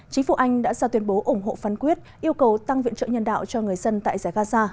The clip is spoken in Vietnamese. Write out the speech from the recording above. chính phủ anh đã ra tuyên bố ủng hộ phán quyết yêu cầu tăng viện trợ nhân đạo cho người dân tại giải gaza